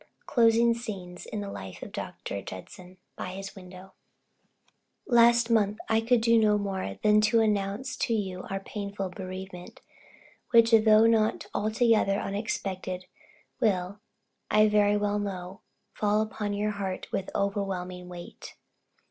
CLOSING SCENES IN THE LIFE OF DR. JUDSON. BY HIS WIDOW. Last month I could do no more than announce to you our painful bereavement, which though not altogether unexpected, will, I very well know, fall upon your heart with overwhelming weight.